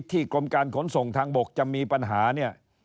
กรมการขนส่งทางบกจะมีปัญหาเนี่ย